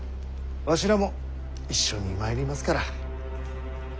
わしらも一緒に参りますから。